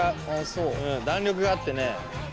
うん弾力があってね。